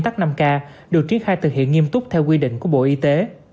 tắc năm k được triển khai thực hiện nghiêm túc theo quy định của bộ y tế